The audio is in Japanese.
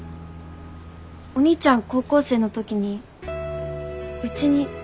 お兄ちゃん高校生のときにうちにたぶん来てて。